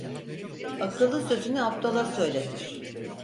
Akıllı sözünü aptala söyletir.